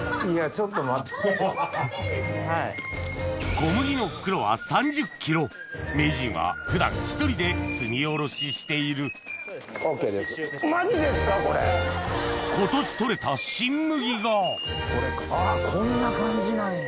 小麦の袋は３０ｋｇ名人は普段１人で積み降ろししている今年取れた新麦がこんな感じなんや。